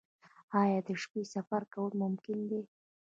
آیا د شپې سفر کول ممکن دي؟